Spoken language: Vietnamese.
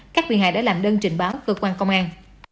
các bị hại đã làm đơn trình báo cơ quan công an